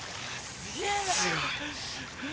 すごい。